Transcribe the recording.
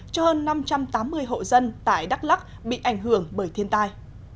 cho hơn năm trăm tám mươi hộ dân tại đắk lắc bị ảnh hưởng bởi thiên tai